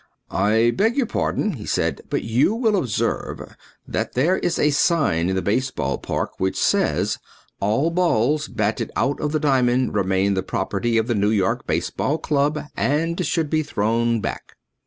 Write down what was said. "I beg your pardon," he said, "but you will observe that there is a sign in the baseball park which says 'All balls batted out of the diamond remain the property of the New York Baseball Club and should be thrown back!'"